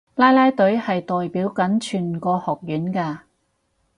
啦啦隊係代表緊全個學院㗎